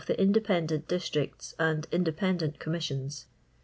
ie independent district! and independent coromisiiont.